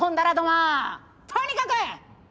とにかく！